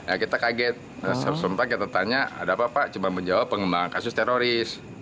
ya kita kaget sebentar kita tanya ada apa pak cuma menjawab pengembangan kasus teroris